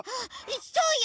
そうよ！